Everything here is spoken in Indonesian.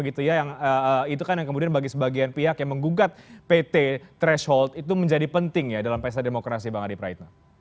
itu kan yang kemudian bagi sebagian pihak yang menggugat pt threshold itu menjadi penting ya dalam pesta demokrasi bang adi praitno